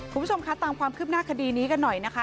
คุณผู้ชมคะตามความคืบหน้าคดีนี้กันหน่อยนะคะ